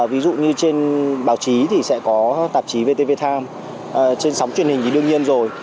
ví dụ như trên báo chí thì sẽ có tạp chí vtv time trên sóng truyền hình thì đương nhiên rồi